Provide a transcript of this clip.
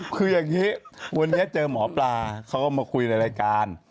คืออย่างนี้วันนี้เจอหมอปลาเขาก็มาคุยในรายการ